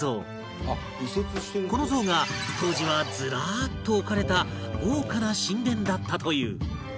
この像が当時はずらーっと置かれた豪華な神殿だったという